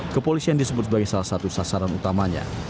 kepolisian disebut sebagai salah satu sasaran utamanya